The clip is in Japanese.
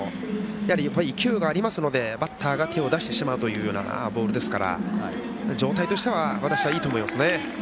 やっぱり勢いがありますのでバッターが手を出してしまうという状態としては私はいいと思います。